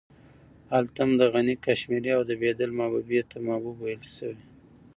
هلته هم د غني کاشمېري او د بېدل محبوبې ته محبوبه ويل شوې.